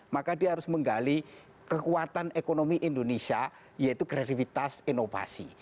maka dia harus menggali kekuatan ekonomi indonesia yaitu kreativitas inovasi